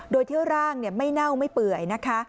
โดยที่ร่างไม่เน่าไม่เปื่อยนะคะ